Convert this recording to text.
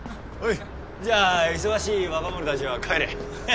じゃあ忙しい若者達は帰れ。